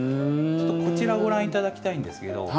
ちょっとこちらをご覧頂きたいんですけど。